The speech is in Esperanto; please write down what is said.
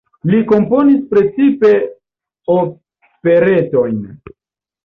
Li komponis precipe operetojn.